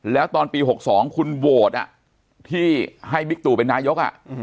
แล้วตอนปีหกสองคุณโหวตอ่ะที่ให้บิกตุเป็นนายกอ่ะอืม